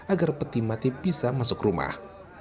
agar peti mati bisa masuk rumah